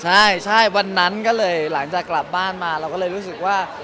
ใช่ใช่วันนั้นก็เลยหลังจากกลับบ้านมาเราก็เลยรู้สึกว่า